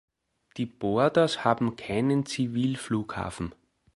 Die Borders haben keinen Zivilflughafen.